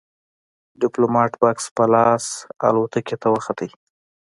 ديپلومات بکس په لاس الوتکې ته وخوت.